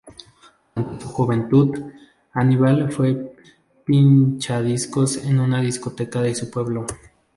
Durante su juventud, Aníbal fue pinchadiscos en una discoteca de su pueblo.